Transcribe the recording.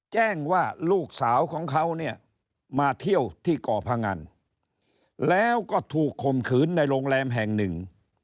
แจ้งว่าลูกสาวของเขาเนี่ยมาเที่ยวที่ก่อพงันแล้วก็ถูกข่มขืนในโรงแรมแห่งหนึ่ง